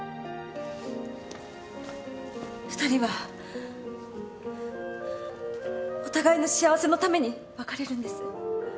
２人はお互いの幸せのために別れるんです。